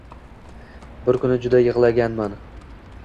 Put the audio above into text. Bir kuni juda yig‘laganman.